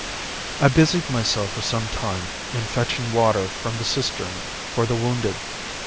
"I busied myself for some time in fetching water from the cistern for the wounded.